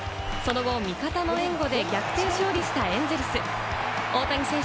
その後、味方の援護で逆転勝利したエンゼルス。